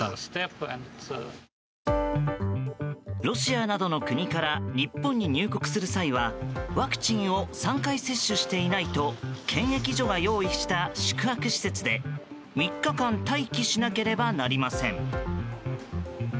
ロシアなどの国から日本に入国する際はワクチンを３回接種していないと検疫所が用意した宿泊施設で３日間待機しなければなりません。